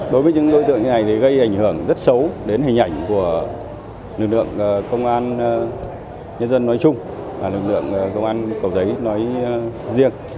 đối với những đối tượng như này thì gây ảnh hưởng rất xấu đến hình ảnh của lực lượng công an nhân dân nói chung và lực lượng công an cầu giấy nói riêng